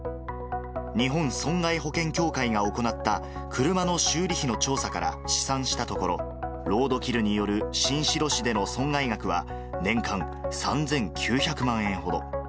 日本損害保険協会が行った車の修理費の調査から試算したところ、ロードキルによる新城市での損害額は、年間３９００万円ほど。